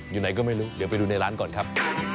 อยู่ไหนก็ไม่รู้เดี๋ยวไปดูในร้านก่อนครับ